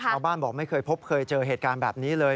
บอกไม่เคยพบเคยเจอเหตุการณ์แบบนี้เลย